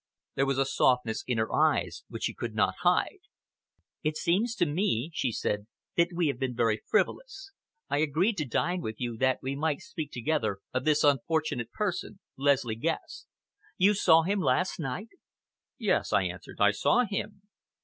There was a softness in her eyes which she could not hide. "It seems to me," she said, "that we have been very frivolous. I agreed to dine with you that we might speak together of this unfortunate person, Leslie Guest. You saw him last night?" "Yes," I answered, "I saw him."